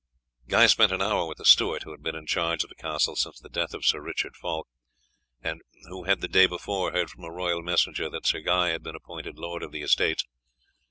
Guy spent an hour with the steward, who had been in charge of the castle since the death of Sir Richard Fulk, and who had the day before heard from a royal messenger that Sir Guy had been appointed lord of the estates.